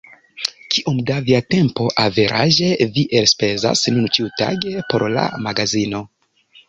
Kiom da via tempo averaĝe vi elspezas nun ĉiutage por la magazino?